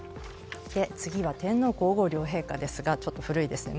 次は天皇・皇后両陛下ですがちょっと古いですね